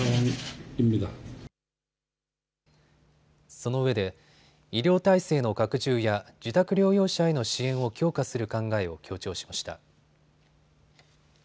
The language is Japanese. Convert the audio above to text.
そのうえで医療体制の拡充や自宅療養者への支援を強化する考えを強調しました。